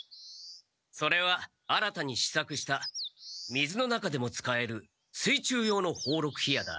それは新たに試作した水の中でも使える水中用の宝禄火矢だ。